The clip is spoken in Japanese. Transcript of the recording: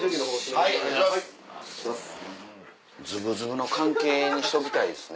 ずぶずぶの関係にしときたいですね。